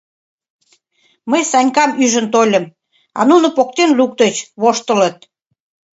— Мый Санькам ӱжын тольым, а нуно поктен луктыч, воштылыт...